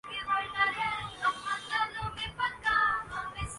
اکثر آخری لمحات میں منصوبہ بندی کرتا ہوں